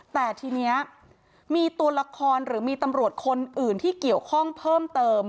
แต่ทีนี้มีตัวละครหรือมีตำรวจคนอื่นที่เกี่ยวข้องเพิ่มเติม